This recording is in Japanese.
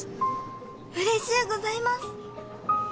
うれしゅうございます。